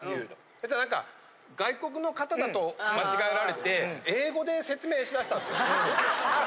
そしたらなんか、外国の方だと間違えられて、英語で説明しだしたんです。